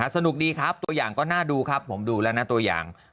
สนุกดีครับตัวอย่างก็น่าดูครับผมดูแล้วนะตัวอย่าง